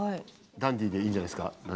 ダンディーでいいんじゃないですか？